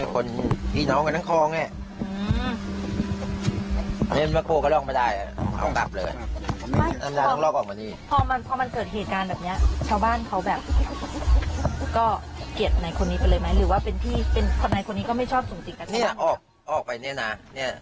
คนไหนคนนี้ก็ไม่ชอบสูงสิ่งกัน